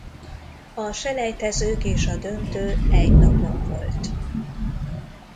A selejtezők és a döntő egy napon volt.